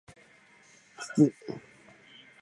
つつ